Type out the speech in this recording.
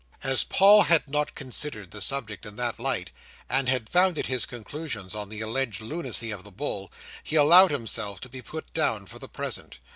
As Paul had not considered the subject in that light, and had founded his conclusions on the alleged lunacy of the bull, he allowed himself to be put down for the present.